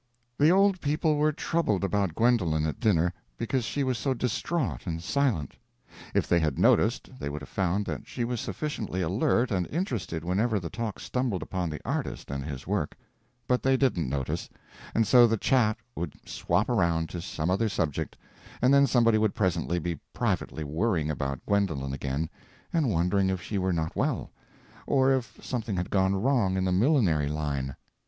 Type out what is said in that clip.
The old people were troubled about Gwendolen at dinner, because she was so distraught and silent. If they had noticed, they would have found that she was sufficiently alert and interested whenever the talk stumbled upon the artist and his work; but they didn't notice, and so the chat would swap around to some other subject, and then somebody would presently be privately worrying about Gwendolen again, and wondering if she were not well, or if something had gone wrong in the millinery line.